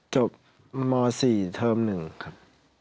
จบม๔เทอม๑ครับ